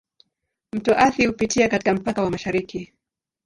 Mto Athi hupitia katika mpaka wa mashariki.